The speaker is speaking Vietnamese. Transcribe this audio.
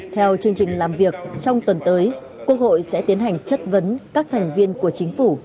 theo chương trình làm việc trong tuần tới quốc hội sẽ tiến hành chất vấn các thành viên của chính phủ